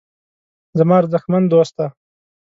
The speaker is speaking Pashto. زما ارزښتمن دوسته.